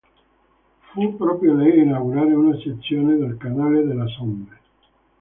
Fu proprio lei a inaugurare una sezione del canale della Somme.